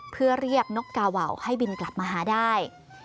เพื่อเรียกนกกาวาวให้บินกลับมาหาได้